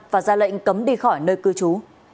và ra lệnh cấm đi khỏi nơi cư trú